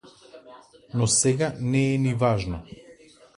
Но сега не е ни важно.